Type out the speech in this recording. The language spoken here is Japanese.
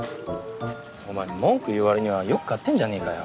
お前文句言う割にはよく買ってんじゃねえかよ。